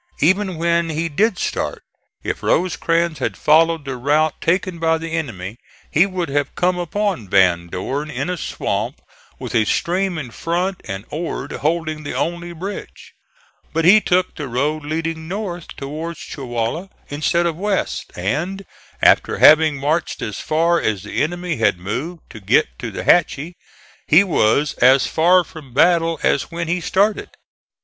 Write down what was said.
Even when he did start, if Rosecrans had followed the route taken by the enemy, he would have come upon Van Dorn in a swamp with a stream in front and Ord holding the only bridge; but he took the road leading north and towards Chewalla instead of west, and, after having marched as far as the enemy had moved to get to the Hatchie, he was as far from battle as when he started.